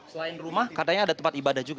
selain rumah katanya ada tempat ibadah juga